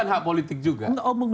itu kan hak politik juga